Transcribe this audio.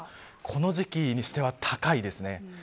この時期にしては高いですね。